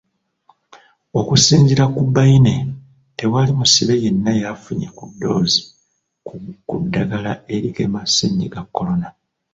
Okusinziira ku Baine tewali musibe yenna yafunye ddoozi ku ddagala erigema Ssennyiga Corona.